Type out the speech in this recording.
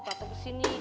datang ke sini